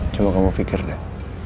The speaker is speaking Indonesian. cuma kamu pikir deh